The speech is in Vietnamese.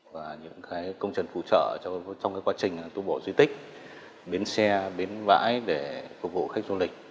và những công trình phụ trợ trong quá trình tu bổ duy tích biến xe biến vãi để phục vụ khách du lịch